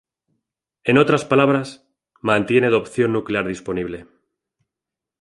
En otras palabras, mantiene de opción nuclear disponible.